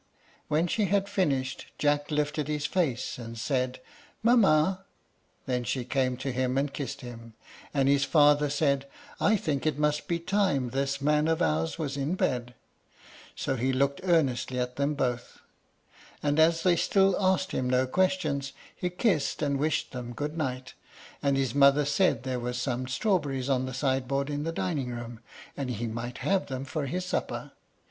When she had finished, Jack lifted his face and said, "Mamma!" Then she came to him and kissed him, and his father said, "I think it must be time this man of ours was in bed." So he looked earnestly at them both, and as they still asked him no questions, he kissed and wished them good night; and his mother said there were some strawberries on the sideboard in the dining room, and he might have them for his supper.